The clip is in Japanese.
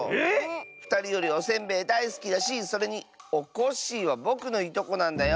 ふたりよりおせんべいだいすきだしそれにおこっしぃはぼくのいとこなんだよ。